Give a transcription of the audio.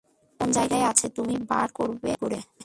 কোন জায়গায় আছে তুমি বার করবে কি করে?